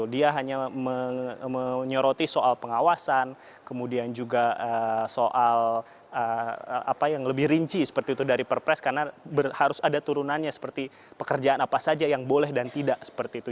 dia hanya menyoroti soal pengawasan kemudian juga soal apa yang lebih rinci seperti itu dari perpres karena harus ada turunannya seperti pekerjaan apa saja yang boleh dan tidak seperti itu